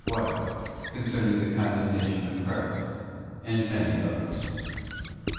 Pilate's wife concerning the condemnation of Christ, and many others.